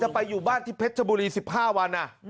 ไปอยู่บ้านที่เพชรชบุรี๑๕วัน